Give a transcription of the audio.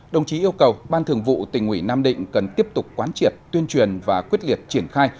đồng chí yêu cầu ban thường vụ tỉnh ủy nam định cần tiếp tục quán triệt tuyên truyền và quyết liệt triển khai